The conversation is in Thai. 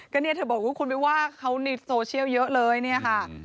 ก็เนี่ยเธอบอกว่าคุณไปว่าเขาในโซเชียลเยอะเลยเนี่ยค่ะ